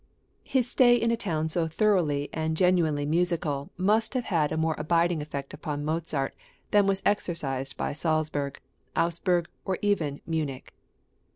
His stay in a town so thoroughly and genuinely musical, must have had a more abiding effect upon Mozart than was exercised by Salzburg, Augsburg, or even Munich.